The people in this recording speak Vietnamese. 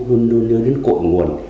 luôn luôn nhớ đến cội nguồn